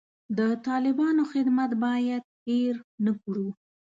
د طالبانو خدمت باید هیر نه کړو.